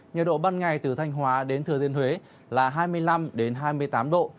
nhiệt độ ban ngày từ thanh hóa đến thừa thiên huế là hai mươi năm hai mươi tám độ